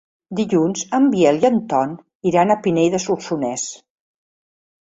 Dilluns en Biel i en Ton iran a Pinell de Solsonès.